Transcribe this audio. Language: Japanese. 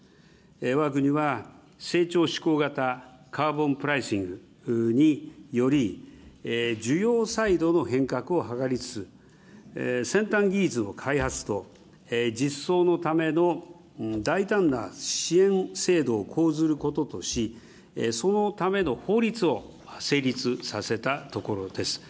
わが国は成長志向型、カーボンプライシングにより、需要サイドの変革を図りつつ、先端技術の開発と、実装のための大胆な支援制度を講ずることとし、そのための法律を成立させたところです。